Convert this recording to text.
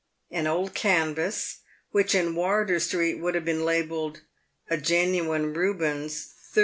An old canvas, which in Wardour steet would have been labelled, "A genuine Eubens, 30s.